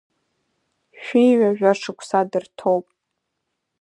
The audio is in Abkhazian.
Шәи ҩажәа шықәса дырҭоуп!